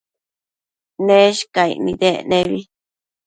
Neshcaic nidec nebi